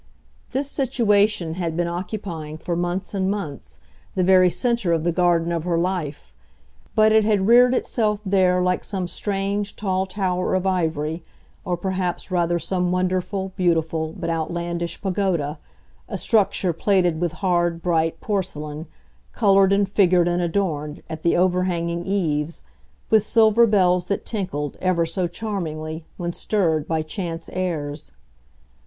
This situation had been occupying, for months and months, the very centre of the garden of her life, but it had reared itself there like some strange, tall tower of ivory, or perhaps rather some wonderful, beautiful, but outlandish pagoda, a structure plated with hard, bright porcelain, coloured and figured and adorned, at the overhanging eaves, with silver bells that tinkled, ever so charmingly, when stirred by chance airs.